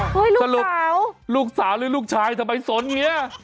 เฮ้ยลูกสาวสรุปลูกสาวหรือลูกชายทำไมสนอย่างนี้